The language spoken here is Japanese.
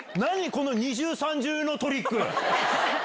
この二重、三重のトリック。